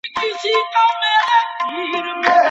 ابليس له شيطانانو څخه هره شپه د هغوی د کړنو راپورونه غواړي.